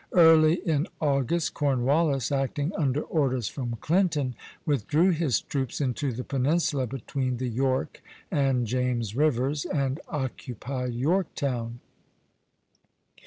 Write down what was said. Early in August, Cornwallis, acting under orders from Clinton, withdrew his troops into the peninsula between the York and James rivers, and occupied Yorktown.